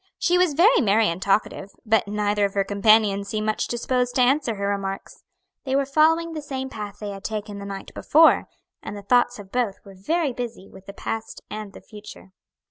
She was very merry and talkative, but neither of her companions seemed much disposed to answer her remarks. They were following the same path they had taken the night before, and the thoughts of both were very busy with the past and the future.